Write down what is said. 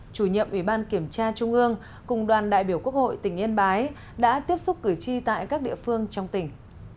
chủ nhiệm ủy ban kiểm tra trung ương cùng đoàn đại biểu quốc hội tỉnh yên bái đã tiếp xúc cử tri tại các địa phương trong tỉnh